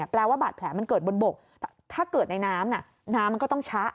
แปลว่าบาดแผลมันเกิดบนบกถ้าเกิดในน้ำน้ำมันก็ต้องชะ